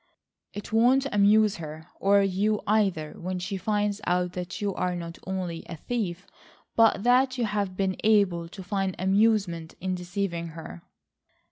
"It won't amuse her, or you either when she finds out that you are not only a thief but that you have been able to find amusement in deceiving her."